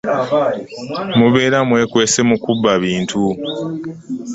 Mubeera mwekwese mu kubba bintu.